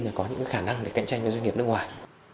là có những khả năng để cạnh tranh với doanh nghiệp nước ngoài